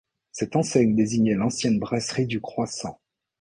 Cette enseigne désignait l'ancienne brasserie du croissant.